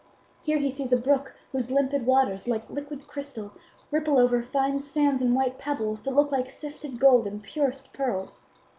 Here he sees a brook whose limpid waters, like liquid crystal, ripple over fine sands and white pebbles that look like sifted gold and purest pearls.